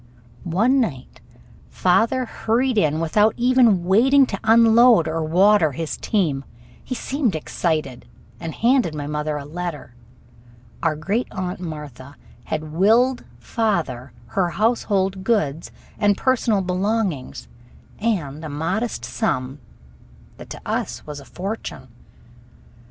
One night father hurried in without even waiting to unload or water his team. He seemed excited, and handed my mother a letter. Our Great Aunt Martha had willed father her household goods and personal belongings and a modest sum that to us was a fortune.